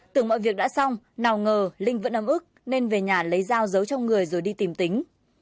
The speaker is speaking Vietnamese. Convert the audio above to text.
tưởng mọi việc đã xong nào ngờ linh vẫn ấm ức nên về nhà lấy dao giấu trong người rồi đi tìm tính